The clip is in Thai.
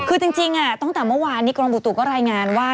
คือจริงตั้งแต่เมื่อวานนี้กรมบุตุก็รายงานว่า